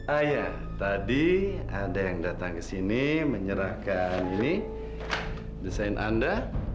ayah tadi ada yang datang ke sini menyerahkan ini desain anda